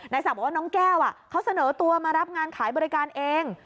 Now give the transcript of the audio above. ศักดิ์บอกว่าน้องแก้วเขาเสนอตัวมารับงานขายบริการเอง